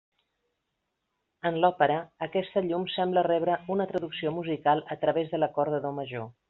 En l'òpera, aquesta llum sembla rebre una traducció musical a través de l'acord de do major.